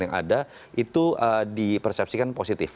yang ada itu di persepsikan positif